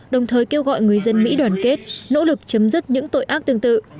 đồng thời kêu gọi người dân mỹ đoàn kết nỗ lực chấm dứt những tội ác tương tự